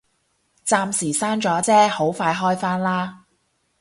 暫時閂咗啫，好快開返啦